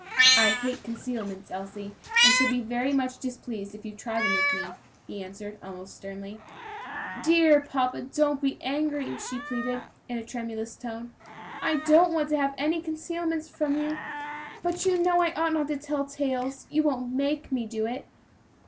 "I hate concealments, Elsie, and shall be very much displeased if you try them with me," he answered, almost sternly. "Dear papa, don't be angry," she pleaded, in a tremulous tone; "I don't want to have any concealments from you, but you know I ought not to tell tales. You won't make me do it?"